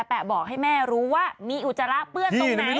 อะไรอ่ามันไปตี